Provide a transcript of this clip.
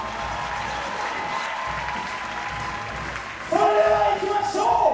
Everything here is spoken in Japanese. それではいきましょう！